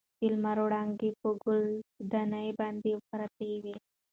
د لمر وړانګې په ګل دانۍ باندې پرتې وې.